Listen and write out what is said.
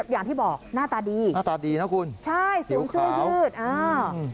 อย่างที่บอกหน้าตาดีหน้าตาดีนะคุณหิวขาวใช่สูงชื่อหืด